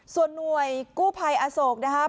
ส่วนหน่วยกู้ไผ่อโศกนะคะ